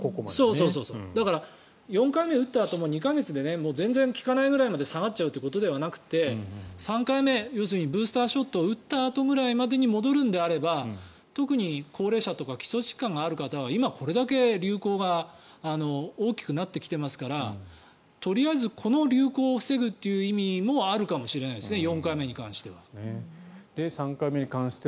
だから、４回目を打ったあとも２か月で全然効かないくらいまで下がっちゃうことではなくて３回目要するにブースターショットを打ったあとぐらいまでに戻るのであれば、特に高齢者とか基礎疾患がある方は今、これだけ流行が大きくなってきていますからとりあえずこの流行を防ぐという意味もあるのかもしれないですね。